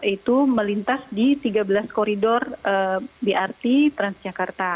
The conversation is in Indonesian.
itu melintas di tiga belas koridor brt trans jakarta